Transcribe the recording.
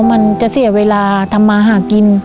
มันจะเสียเวลาทำมาหากิน